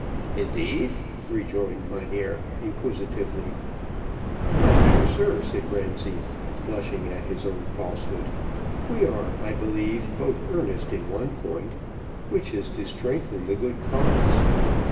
"Indeed?" rejoined Mynheer inquisitively. "My dear sir," said Ramsay, blushing at his own falsehood, "we are, I believe, both earnest in one point, which is to strengthen the good cause.